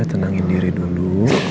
tenangin diri dulu